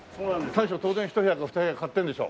大将当然１部屋か２部屋買ってるんでしょ。